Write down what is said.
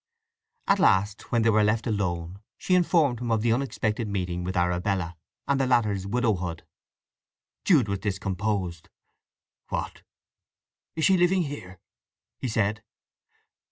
At last, when they were left alone, she informed him of the unexpected meeting with Arabella, and the latter's widowhood. Jude was discomposed. "What—is she living here?" he said.